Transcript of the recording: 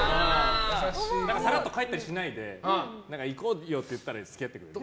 さらっと帰ったりしないで行こうよって言ったら付き合ってくれる。